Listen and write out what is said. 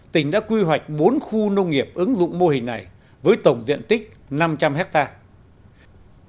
tỉnh đã quy hoạch bốn khu nông nghiệp ứng dụng mô hình này với tổng diện tích năm trăm linh hectare